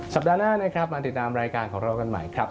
สัปดาห์หน้านะครับมาติดตามรายการของเรากันใหม่ครับ